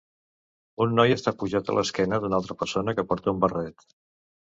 Un noi està pujat a l'esquena d'una altra persona que porta un barret.